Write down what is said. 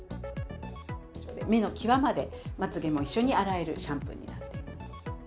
目の際までまつげも一緒に洗えるシャンプーになっています。